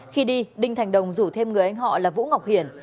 khi đi đinh thành đồng rủ thêm người anh họ là vũ ngọc hiển